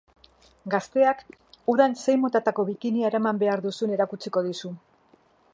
Gazteak udan zein motatako bikinia eraman behar duzun erakutsiko dizu.